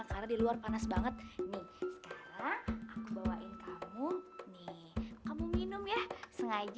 karena di luar panas banget nih sekarang aku bawain kamu nih kamu minum ya sengaja